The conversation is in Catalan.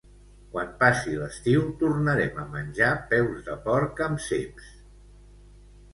Quan passi l'estiu tornarem a menjar peus de porc amb ceps